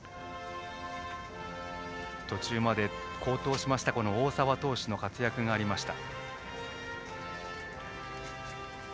途中まで好投しました大沢投手の活躍がありました。